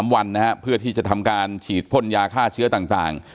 วันนะฮะเพื่อที่จะทำการฉีดพ่นยาฆ่าเชื้อต่าง